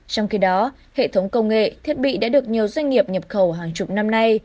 trong khi đó hệ thống công nghệ thiết bị đã được nhiều doanh nghiệp nhập khẩu hàng chục năm nay